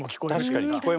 確かに。